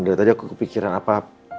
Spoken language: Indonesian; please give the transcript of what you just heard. dari tadi aku kepikiran apa